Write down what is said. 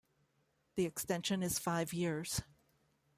The extension is five years.